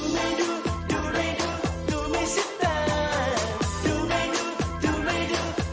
มีทั้ง๕